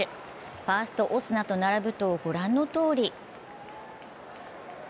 ファースト・オスナと並ぶとご覧のとおり。